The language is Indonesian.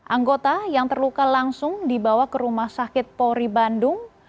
anggota yang terluka langsung dibawa ke rumah sakit polri bandung